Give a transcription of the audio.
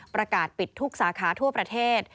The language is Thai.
ประกาศปิดทุกสาขาทั่วประเทศ